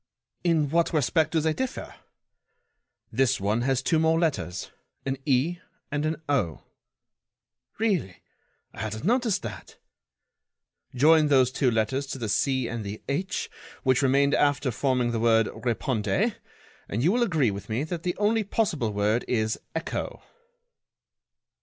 "In what respect do they differ?" "This one has two more letters—an E and an O." "Really; I hadn't noticed that." "Join those two letters to the C and the H which remained after forming the word 'respondez,' and you will agree with me that the only possible word is ECHO."